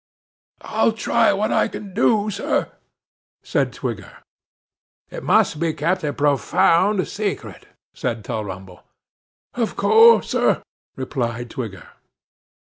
'I'll try what I can do, sir,' said Twigger. 'It must be kept a profound secret,' said Tulrumble. 'Of course, sir,' replied Twigger.